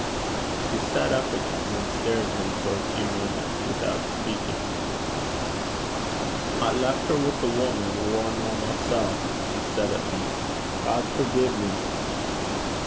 She sat up again, and stared at him for a few moments without speaking. 'I left her wi' a wuman waur nor mysel',' she said at length. 'God forgie me.'